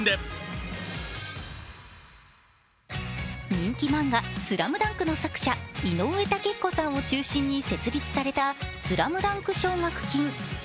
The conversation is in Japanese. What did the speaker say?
人気漫画「ＳＬＡＭＤＵＮＫ」の作者井上雄彦さんを中心に設立されたスラムダンク奨学金。